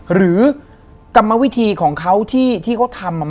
หรือกรรมวิธีของเขาที่เขาทำ